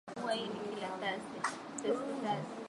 vyama ni kwa nini hakuna elimu ya uraia